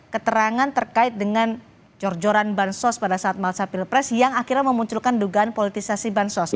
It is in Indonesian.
keterangan terkait dengan jorjoran bahan sos pada saat malsapil pres yang akhirnya memunculkan dugaan politisasi bahan sos